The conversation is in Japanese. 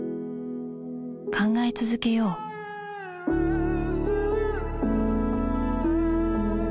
考え続けよう姉）